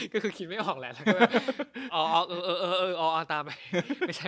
ก็คือคิดไม่ออกแหละเอาตามไป